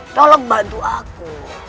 tolong bantu aku